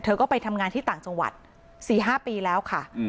ก็ไปทำงานที่ต่างจังหวัด๔๕ปีแล้วค่ะ